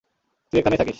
তুই এখানেই থাকিস।